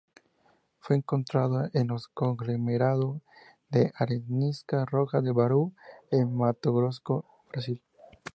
Fue encontrado en los conglomerado de arenisca roja de Bauru, en Mato Grosso, Brasil.